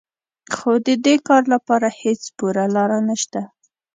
خو د دې کار لپاره هېڅ پوره لاره نهشته